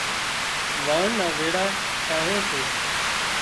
واڻ نا ويڙا ٺاهي سي